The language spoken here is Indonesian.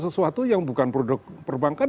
sesuatu yang bukan produk perbankan